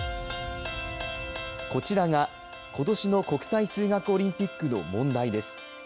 こちらが、ことしの国際数学オリンピックの問題です。